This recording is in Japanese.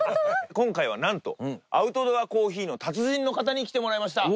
今回はなんとアウトドアコーヒーの達人の方に来てもらいました。